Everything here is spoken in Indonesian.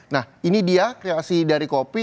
nah ini dia kreasi dari kopi